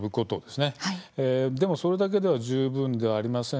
ただそれだけでは十分ではありません。